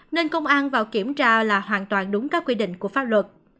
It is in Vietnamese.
nên công an vào kiểm tra là hoàn toàn đúng các quy định của pháp luật